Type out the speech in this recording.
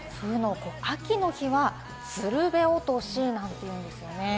秋の日はつるべ落としなんていうんですよね。